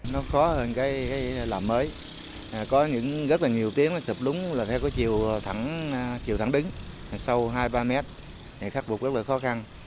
nó khó hơn cái làm mới có rất nhiều tuyến sụp lúng theo chiều thẳng đứng sâu hai ba mét khắc phục rất là khó khăn